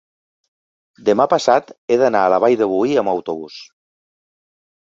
demà passat he d'anar a la Vall de Boí amb autobús.